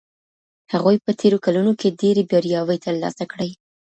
هغوی په تېرو کلونو کي ډېرې بریاوې ترلاسه کړي.